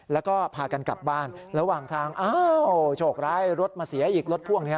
แล้วก็พากันกลับบ้านระหว่างทางอ้าวโชคร้ายรถมาเสียอีกรถพ่วงนี้